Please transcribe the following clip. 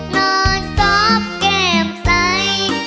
นอนซอบแก้มใส